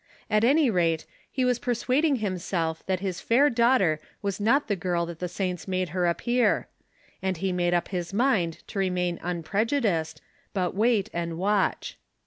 At any rate, he was persuading himself that his fair Ttaughter was not the girl that the saints made her appear ; and he made up his mind to remain vmprejudiced, but wait and watch.